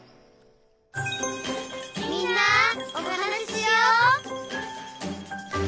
「みんなおはなししよう」